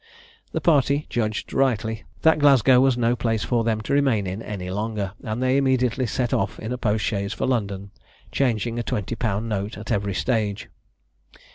The party judged rightly, that Glasgow was no place for them to remain in any longer, and they immediately set off in a post chaise for London, changing a 20_l._ note at every stage.